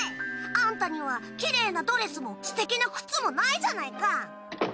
あんたにはきれいなドレスもすてきな靴もないじゃないか。